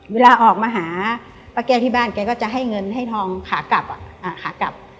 เวลาออกมาหาป้าแก้วที่บ้านแกก็จะให้เงินให้ทองขากลับขากลับ